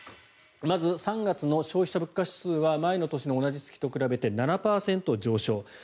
まず、３月の消費者物価指数は前の年の同じ月と比べて７％上昇。